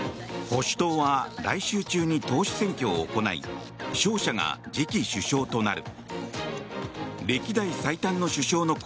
保守党は来週中に党首選挙を行い勝者が次期首相となる。